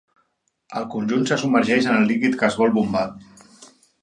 El conjunt se submergeix en el líquid que es vol bombar.